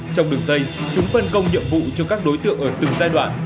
trong đường dây chúng phân công nhiệm vụ cho các đối tượng ở từng giai đoạn